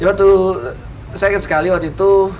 ya waktu saya ingat sekali waktu itu